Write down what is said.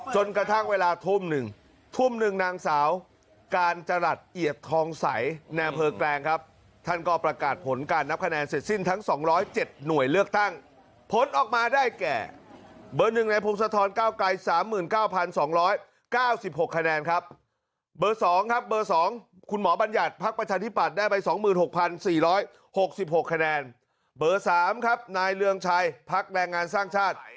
จนกระทั่งเวลาทุ่มหนึ่งทุ่มหนึ่งนางสาวการจรัสเอียดทองใสในอำเภอแกลงครับท่านก็ประกาศผลการนับคะแนนเสร็จสิ้นทั้ง๒๐๗หน่วยเลือกตั้งผลออกมาได้แก่เบอร์หนึ่งในพงศธรก้าวไกร๓๙๒๙๖คะแนนครับเบอร์๒ครับเบอร์๒คุณหมอบัญญัติพักประชาธิปัตย์ได้ไป๒๖๔๖๖คะแนนเบอร์๓ครับนายเรืองชัยพักแรงงานสร้างชาติ